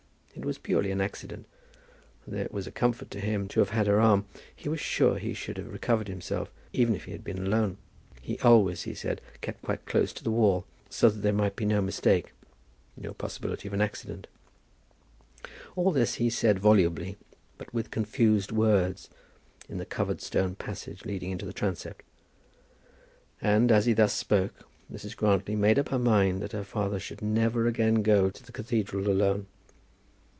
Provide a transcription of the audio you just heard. It was purely an accident; and though it was a comfort to him to have had her arm, he was sure that he should have recovered himself even had he been alone. He always, he said, kept quite close to the wall, so that there might be no mistake, no possibility of an accident. All this he said volubly, but with confused words, in the covered stone passage leading into the transept. And, as he thus spoke, Mrs. Grantly made up her mind that her father should never again go to the cathedral alone.